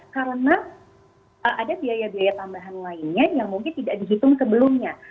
karena ada biaya biaya tambahan lainnya yang mungkin tidak dihitung sebelumnya